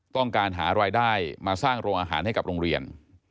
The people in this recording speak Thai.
ต้องการหารายได้มาสร้างโรงอาหารให้กับโรงเรียน